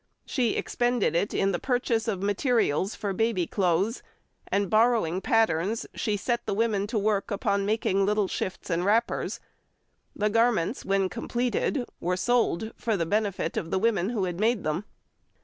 She expended it in the purchase of materials for baby clothes, and borrowing patterns, she set the women to work upon making little shifts and wrappers. The garments, when completed, were sold for the benefit of the women who had made them.